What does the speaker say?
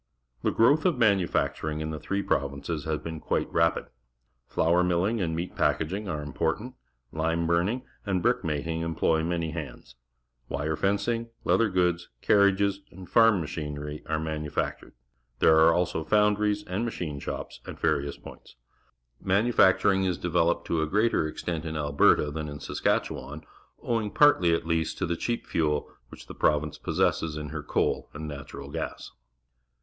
The growth of manufacturing in the three prov inces has been quite rapid. Flo ur milling_ and meat packing are important. Lime burning an3 brick making employ many THE PRAIRIE PROVINCES 113 hands. 31ke fenci ng, leather good s, carriages, and farm machinery' are manufactured. There are also foundries and machin e shops at various points. Manufacturing is developed to a greater ex tent in Alberta than in Saskatchewan, owing, partly at least, to the cheap fuel which the province possesses in her coal and natural gas.